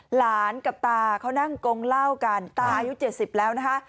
หลานกับตาเขานั่งกงเล่ากันตาอายุ๗๐แล้วนะคะ